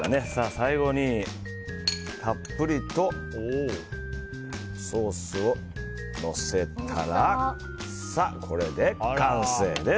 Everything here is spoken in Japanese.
最後にたっぷりとソースをのせたらこれで完成です。